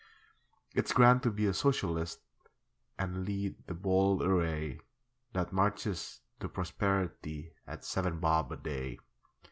It's grand to be a Socialist And lead the bold array That marches to prosperity At seven bob a day.